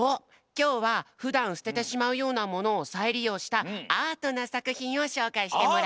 きょうはふだんすててしまうようなものをさいりようしたアートなさくひんをしょうかいしてもらうよ。